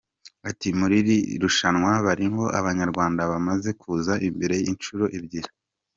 Ati: “Muri iri rushanwa barimo Abanyarwanda bamaze kuza imbere inshuro ebyiri.